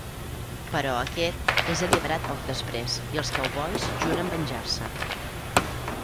Però aquest és alliberat poc després i els Cowboys juren venjar-se.